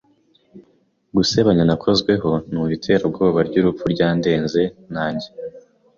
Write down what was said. gusebanya, Nakozweho numva iterabwoba ryurupfu ryandenze, nanjye